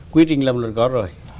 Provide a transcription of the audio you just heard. quy trình làm luật có rồi